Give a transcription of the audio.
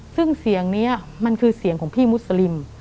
ซึ่งเสียงนี้มันคือเสียงของพี่มุสลิม